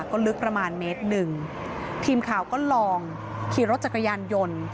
ก็ลึกประมาณเมตรหนึ่งทีมข่าวก็ลองขี่รถจักรยานยนต์